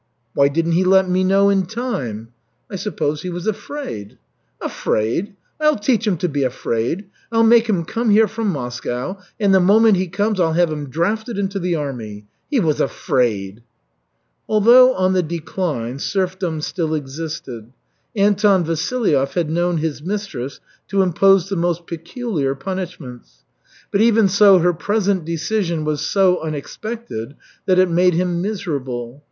"Why didn't he let me know in time?" "I suppose he was afraid." "Afraid? I'll teach him to be afraid. I'll make him come here from Moscow, and the moment he comes I'll have him drafted into the army. He was afraid!" Although on the decline, serfdom still existed. Anton Vasilyev had known his mistress to impose the most peculiar punishments, but, even so, her present decision was so unexpected that it made him miserable.